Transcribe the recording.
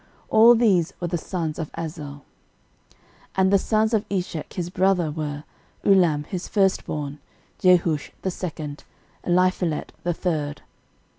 All these were the sons of Azel. 13:008:039 And the sons of Eshek his brother were, Ulam his firstborn, Jehush the second, and Eliphelet the third.